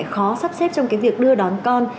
khó sắp xếp trong cái việc đưa đón con